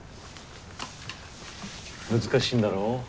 難しいんだろ